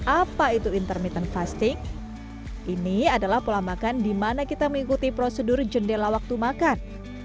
apa itu intermittent fasting ini adalah pola makan di mana kita mengikuti prosedur jendela waktu makan